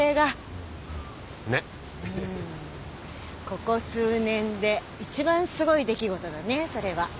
ここ数年で一番すごい出来事だねそれは。